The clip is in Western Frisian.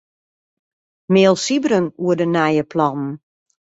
Mail Sybren oer de nije plannen.